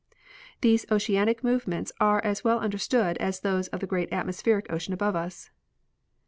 These oceanic movements are as well understood as those of the great atmos pheric ocean above us.